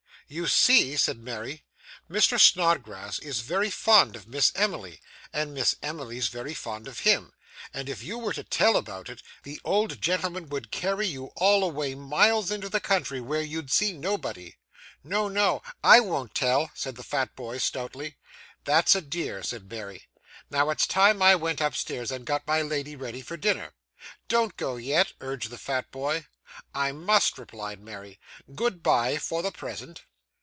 'You see,' said Mary, 'Mr. Snodgrass is very fond of Miss Emily, and Miss Emily's very fond of him, and if you were to tell about it, the old gentleman would carry you all away miles into the country, where you'd see nobody.' 'No, no, I won't tell,' said the fat boy stoutly. 'That's a dear,' said Mary. 'Now it's time I went upstairs, and got my lady ready for dinner.' 'Don't go yet,' urged the fat boy. 'I must,' replied Mary. 'Good bye, for the present.